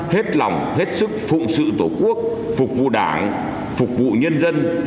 hết lòng hết sức phụng sự tổ quốc phục vụ đảng phục vụ nhân dân